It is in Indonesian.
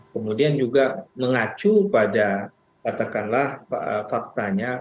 kemudian juga mengacu pada katakanlah faktanya